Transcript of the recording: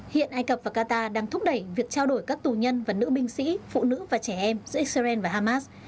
hiện ai cập và qatar đang thúc đẩy việc trao đổi các tù nhân và nữ binh sĩ phụ nữ và trẻ em giữa israel và hamas